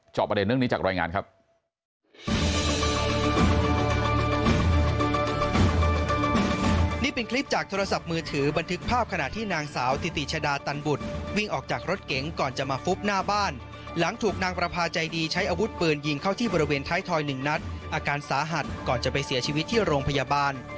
ประเด็นเรื่องนี้จากรายงานครับ